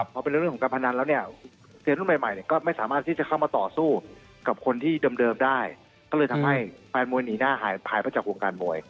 พอเป็นเรื่องของการพนันแล้วเนี่ยเซียนรุ่นใหม่เนี่ยก็ไม่สามารถที่จะเข้ามาต่อสู้กับคนที่เดิมได้ก็เลยทำให้แฟนมวยหนีหน้าหายไปจากวงการมวย